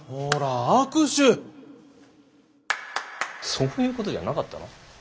そういうことじゃなかったの？